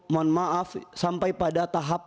mohon maaf sampai pada tahap